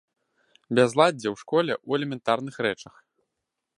Бязладдзе ў школе ў элементарных рэчах.